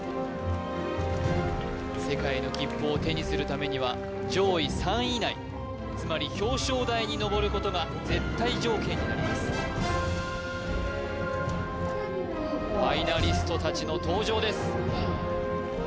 世界への切符を手にするためには上位３位以内つまり表彰台にのぼることが絶対条件になりますファイナリスト達の登場です